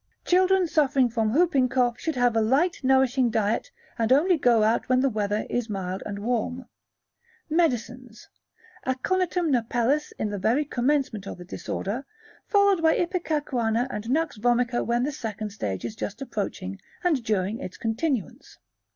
Children suffering from whooping cough should have a light nourishing diet and only go out when the weather is mild and warm. Medicines. Aconitum napellus in the very commencement of the disorder, followed by Ipecacuanha and Nux vomica when the second stage is just approaching and during its continuance.